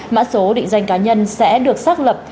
mã số định danh cá nhân sẽ được xác lập